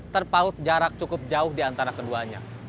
terpaut jarak cukup jauh di antara kedua tempat